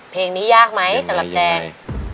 เพลงนี้ยากไหมสำหรับแจง